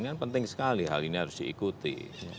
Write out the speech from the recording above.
ini kan penting sekali hal ini harus diikuti